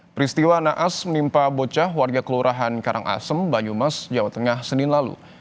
peristiwa naas menimpa bocah warga kelurahan karangasem banyumas jawa tengah senin lalu